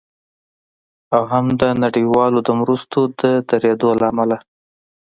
او هم د نړیوالو د مرستو د ودریدو له امله